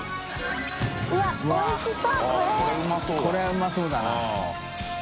海うまそうだな。